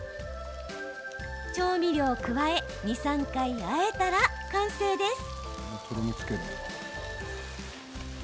調味料を加え２、３回あえたら完成です。